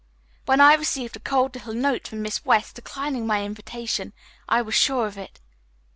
When I received a cold little note from Miss West declining my invitation, I was sure of it.